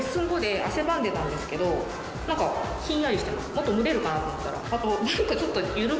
もっと蒸れるかなと思ったら。